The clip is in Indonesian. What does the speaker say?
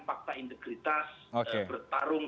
fakta integritas bertarung